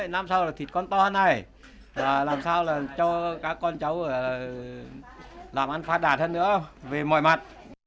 năm sau là thịt con to hơn này làm sao là cho các con cháu làm ăn phát đạt hơn nữa về mọi mặt